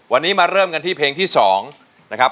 วันนี้มาเริ่มกันที่เพลงที่๒นะครับ